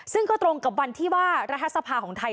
ซึ่งก็ตรงกับวันที่ว่ารัฐสภาของไทย